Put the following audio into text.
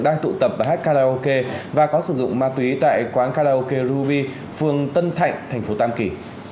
đang tụ tập và hát karaoke và có sử dụng ma túy tại quán karaoke ruby phường tân thạnh tp tam kỳ